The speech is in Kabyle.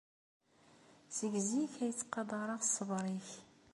Seg zik ay ttqadareɣ ṣṣber-nnek.